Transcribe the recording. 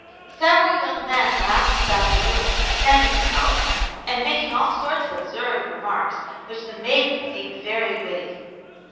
Several young men lounged about the room, pretending to help, and making all sorts of absurd remarks, which the maidens deemed very witty.